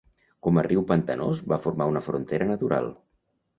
Com a riu pantanós va formar una frontera natural.